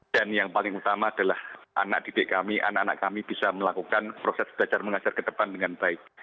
dan yang paling utama adalah anak anak kami bisa melakukan proses belajar mengajar ke depan dengan baik